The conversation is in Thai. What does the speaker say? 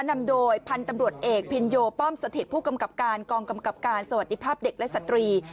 นำโดยพันธุ์ตำรวจเอกพินโยป้อมสถิตผู้กำกับการกองกำกับการสวัสดีภาพเด็กและสตรี